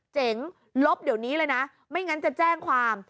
เจ๋งลบเดี๋ยวนี้เลยนะไม่งั้นจะแจ้งความ